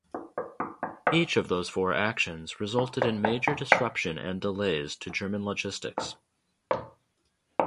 Each of those four actions resulted in major disruption and delays to German logistics.